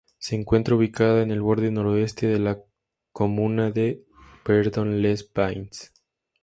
Se encuentra ubicada en el borde noreste de la comuna de Yverdon-les-Bains.